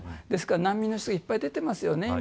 ですから、難民の人がいっぱい出ていますよね。